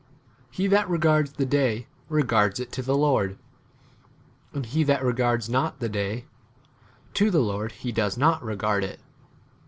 6 He that regards the day, regards it to [the] Lord; [and he that re gards not the day, to [the] Lord he does not regard it.